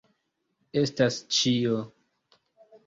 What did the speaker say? Estas ĉio.